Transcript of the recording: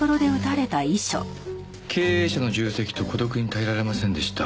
「経営者の重責と孤独に耐えられませんでした」